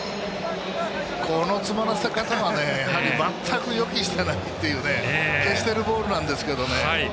この詰まらせ方は、やはり全く予期してないという消してるボールなんですけどね。